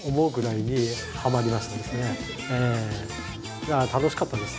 いやあ楽しかったです。